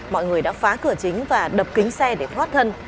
mọi người đã phá cửa chính và đập kính xe để thoát thân